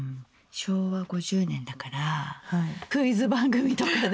昭和５０年だからクイズ番組とかで。